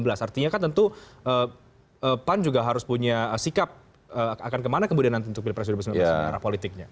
artinya kan tentu pan juga harus punya sikap akan kemana kemudian nanti untuk pilpres dua ribu sembilan belas ini arah politiknya